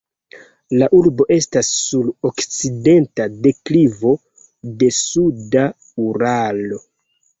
La urbo estas sur okcidenta deklivo de suda Uralo.